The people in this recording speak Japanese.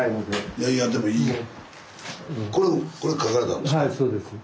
いやいやでもいいよ。